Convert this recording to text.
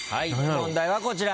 問題はこちら。